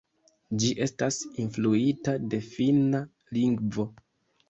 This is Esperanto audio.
Ĝi estas influita de finna lingvo.